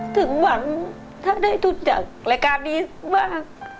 ถึงหวังถ้าได้ทุนจากรายการนี้บ้าง